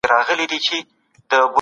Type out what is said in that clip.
تاسي چي سئ موږ به ولاړ سو.